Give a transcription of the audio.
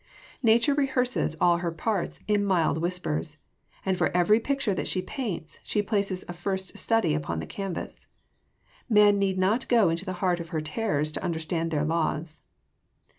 Nature rehearses all her parts in mild whispers; and for every picture that she paints, she places a first study upon the canvas. Man need not go into the heart of her terrors to understand their laws.